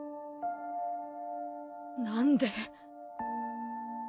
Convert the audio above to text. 何で。